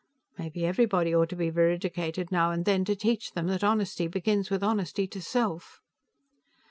Maybe everybody ought to be veridicated, now and then, to teach them that honesty begins with honesty to self.